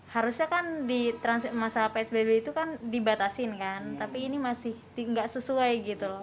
harusnya di transisi psbb dibatasi kan tapi ini masih tidak sesuai